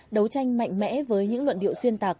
đấu tranh mạnh mẽ với những luận điệu xuyên tạc